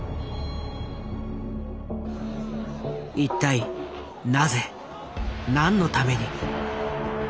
一体なぜ？何のために？